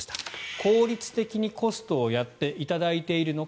効率的にコストをやっていただいているのか